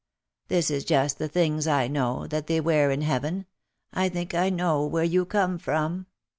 This is just the things, I know, that they wear in heaven — I think I know where you come from."